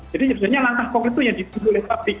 jadi sebenarnya langkah konkret itu yang ditutupi oleh pabrik